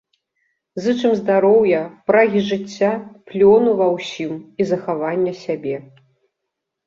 Зычым здароўя, прагі жыцця, плёну ва ўсім і захавання сябе!